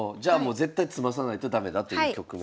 絶対詰まさないとダメだという局面。